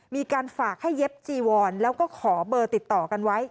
มีการฝากให้เย็บจีวอนแล้วก็ขอเบอร์ติดต่อกันไว้